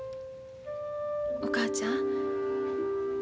お母ちゃん。